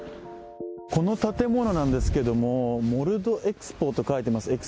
この建物なんですけれども、モルド・エクスポと書いてあります。